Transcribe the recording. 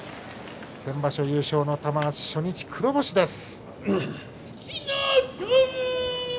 先場所優勝の玉鷲、初日黒星です。